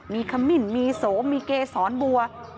มีขมิ่นมีโสมีเกสรสอนบัว